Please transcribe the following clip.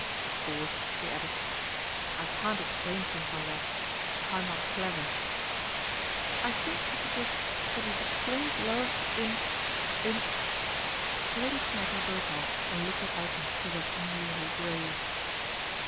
" Of course," he added, I can't explain things like that. I'm not clever." " I think, i\lr. Triggs, that you've explained >ve in in Lady Tanagra broke off and oked at Elton, who was unusually grave.